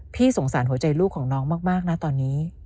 สงสารหัวใจลูกของน้องมากนะตอนนี้